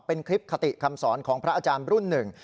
เป็นคลิปคติคำสอนของพระอาจารย์รุ่นหนึ่ง